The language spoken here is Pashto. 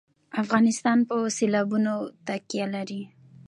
افغانستان په سیلابونه باندې تکیه لري.